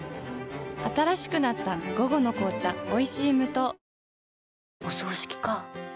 新しくなった「午後の紅茶おいしい無糖」